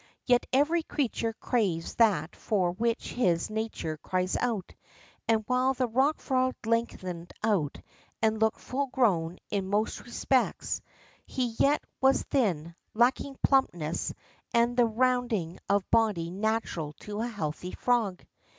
Yet every creature craves that for which his nature cries out, and, while the Pock Erog length ened out and looked full grown in most respects, he yet was thin, lacking plumpness, and the round ing of body natural to a healthy frog.